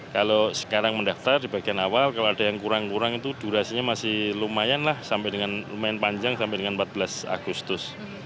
kalau sekarang mendaftar di bagian awal kalau ada yang kurang kurang itu durasinya masih lumayan lah sampai dengan lumayan panjang sampai dengan empat belas agustus